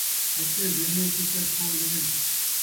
تھکے ویلھے چچڑ چھوڑ ویندن